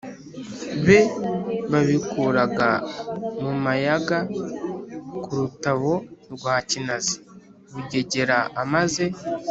be babikuraga mu Mayaga ku Rutabo rwa Kinazi. Bugegera amaze